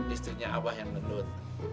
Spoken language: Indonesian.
istrinya abah yang menut